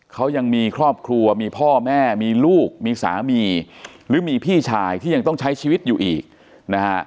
เขายังมีครอบครัวมีพ่อแม่มีลูกมีสามีหรือมีพี่ชายที่ยังต้องใช้ชีวิตอยู่อีกนะฮะ